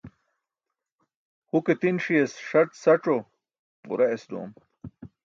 Huke ti̇n ṣi̇yas sac̣o, ġurayas ḍoom.